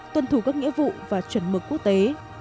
tuân thủ các nghĩa vụ và chuẩn mực quốc tế